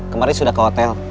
kemarin sudah ke hotel